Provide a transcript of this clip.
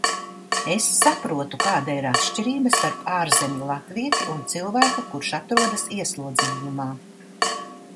Es saprotu, kāda ir atšķirība starp ārzemju latvieti un cilvēku, kurš atrodas ieslodzījumā.